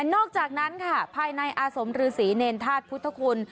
นอกจากนั้นค่ะภายในอาสมฤษีเนรธาตุพุทธคุณ